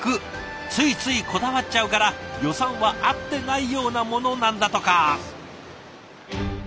ついついこだわっちゃうから予算はあってないようなものなんだとか。